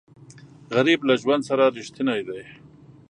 غریب له ژوند سره رښتینی دی